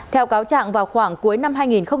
theo cáo trạng vào khoảng cuối năm hai nghìn một mươi bảy